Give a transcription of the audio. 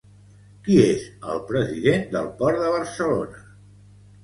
Qui és el president del Port de Barcelona?